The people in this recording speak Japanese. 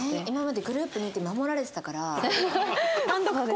今までグループにいて守られてたから。